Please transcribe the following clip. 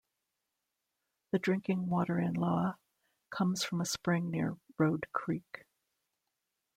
The drinking water in Loa comes from a spring near Road Creek.